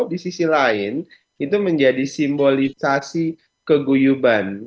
di sisi lain itu menjadi simbolisasi keguyuban